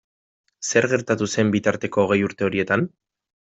Zer gertatu zen bitarteko hogei urte horietan?